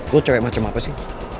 lo cewek macam apa sih